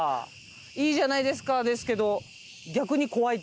「いいじゃないですか」ですけど。